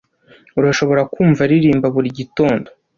Urashobora kumva aririmba buri gitondo.